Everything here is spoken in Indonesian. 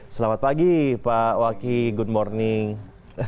selamat pagi pak waki selamat pagi